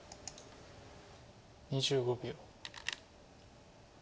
２５秒。